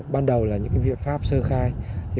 ban đầu là những viện pháp sơn khai